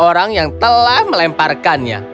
orang yang telah melemparkannya